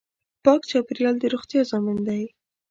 پاک چاپېریال د روغتیا ضامن دی.